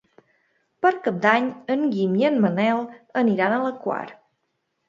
Per Cap d'Any en Guim i en Manel aniran a la Quar.